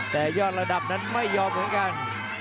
แต่ยอดระดับนั้นไม่ยอมเหมือนกัน